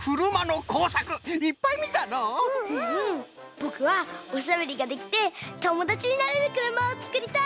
ぼくはおしゃべりができてともだちになれるくるまをつくりたい！